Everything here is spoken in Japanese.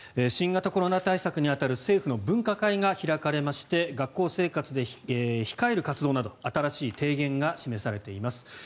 新型コロナ対策に当たる政府の分科会が開かれまして学校生活で控える活動など新しい提言が示されています。